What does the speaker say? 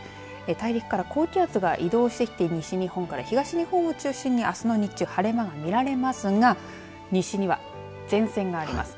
大陸から高気圧が移動してきて西日本から東日本を中心にあすの日中晴れ間が見られますが、西には前線があります。